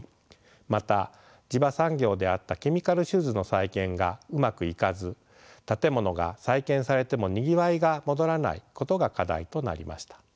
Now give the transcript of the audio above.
また地場産業であったケミカルシューズの再建がうまくいかず建物が再建されてもにぎわいが戻らないことが課題となりました。